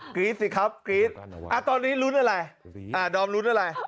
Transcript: รี๊ดสิครับกรี๊ดตอนนี้ลุ้นอะไรดอมรุ้นอะไร